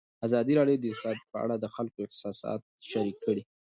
ازادي راډیو د اقتصاد په اړه د خلکو احساسات شریک کړي.